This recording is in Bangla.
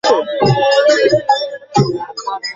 তাহলে আমল করার প্রয়োজন কি?